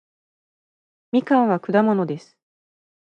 みかんは果物です